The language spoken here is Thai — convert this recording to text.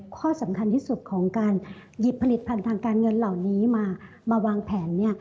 ข้อสำคัญที่สุดของการหยิบผลิตภัณฑ์ทางการเงินเหล่านี้มามาวางแผนเนี่ย